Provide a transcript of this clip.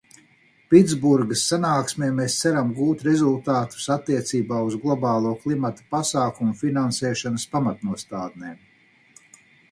Pitsburgas sanāksmē mēs ceram gūt rezultātus attiecībā uz globālo klimata pasākumu finansēšanas pamatnostādnēm.